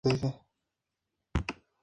Vivieron en el período Eoceno.